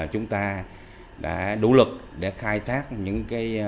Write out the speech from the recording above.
chúng ta đã đủ lực để khai thác những cái